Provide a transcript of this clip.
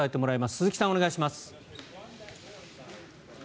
鈴木さん、お願いします。